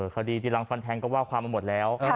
คดีที่รังฟันแทงก็ว่าความมาหมดแล้ว